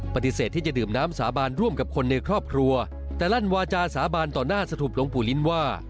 ปฏิเสธที่จะดื่มน้ำสาบานร่วมกับคนในครอบครัวแต่ลั่นวาจาสาบานต่อหน้าสถุปหลวงปู่ลิ้นว่า